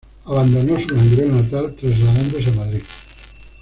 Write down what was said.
Abandonó su Langreo natal, trasladándose a Madrid.